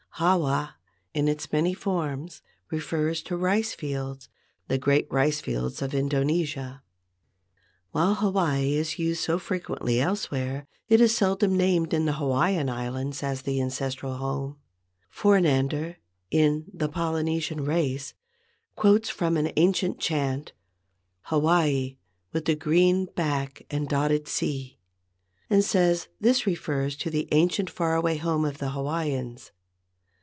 Hawa in its many forms refers to rice fields, the great rice fields of Indonesia." While Hawaii is used so frequently elsewhere, it is seldom named in the Hawaiian Islands as the ancestral home. For nander, in "The Polynesian Race," quotes from an ancient chant, "Hawaii with the green back and dotted sea," and says this refers to the ancient far away home of the Hawaiians.